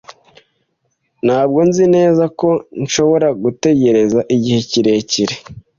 Ntabwo nzi neza ko nshobora gutegereza igihe kirekire.